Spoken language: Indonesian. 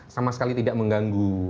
sama sekali tidak mengganggu